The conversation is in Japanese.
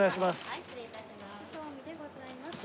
はい失礼いたします。